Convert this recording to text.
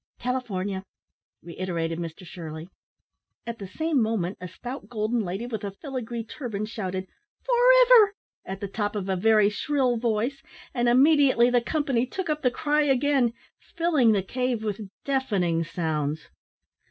"California," reiterated Mr Shirley. At the same moment a stout golden lady with a filigree turban shouted, "for ever!" at the top of a very shrill voice, and immediately the company took up the cry again, filling the cave with deafening sounds.